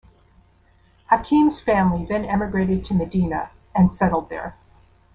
Hakim's family then emigrated to Medina and settled there.